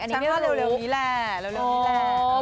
ฉันไม่ว่าเร็วนี้แหละ